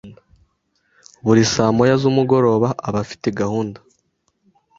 Buri sa moya z’umugoroba aba afite gahunda